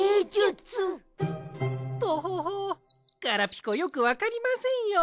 トホホガラピコよくわかりませんよ。